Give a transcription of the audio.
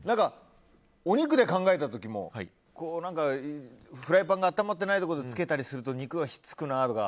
お肉で考えた時もフライパンが温まってないところで焼くと肉がひっつくなとか。